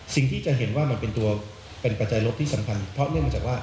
สิ่งที่จะเห็นว่ามันเป็นตัวเป็นปัจจัยลบที่สำคัญเพราะเนื่องจากว่า